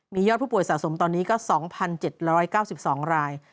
มียอดผู้ป่วยสะสมตอนนี้ก็๒๗๙๒ราย